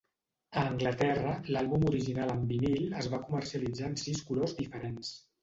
A Anglaterra, l'àlbum original en vinil es va comercialitzar en sis colors diferents.